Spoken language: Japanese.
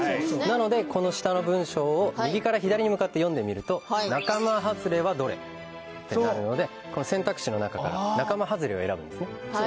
なので、この下の文章を右から左に向かって読んでみるとなかまはずれはどれ？ってなるのでこの選択肢の中からなかまはずれを選ぶんですね。